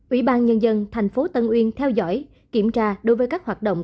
ủy ban nhân dân thành phố tân uyên theo dõi kiểm tra đối với các hoạt động